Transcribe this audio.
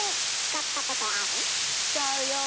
使うよ。